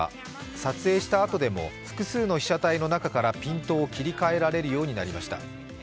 撮影したあとでも複数の被写体の中からピントを切り替えられるようになりました。